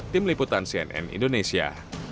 tim liputan cnn indonesia